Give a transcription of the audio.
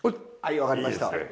はい分かりました。